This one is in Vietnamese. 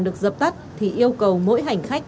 được dập tắt thì yêu cầu mỗi hành khách